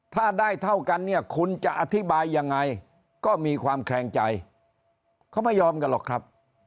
ถ้าได้เท่ากันเนี่ยคุณจะอธิบายยังไงก็มีความแคลงใจเขาไม่ยอมกันหรอกครับ